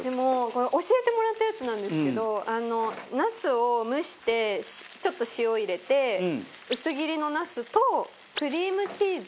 奈緒：教えてもらったやつなんですけど茄子を蒸してちょっと、塩入れて薄切りの茄子とクリームチーズ。